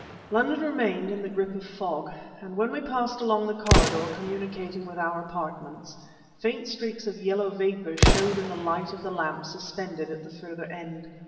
London remained in the grip of fog, and when we passed along the corridor communicating with our apartments, faint streaks of yellow vapor showed in the light of the lamp suspended at the further end.